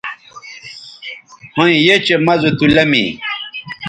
ھویں یھ چہء مَزو تُو لمی